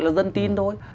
là dân tin thôi